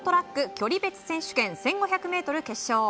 距離別選手権１５００ｍ決勝。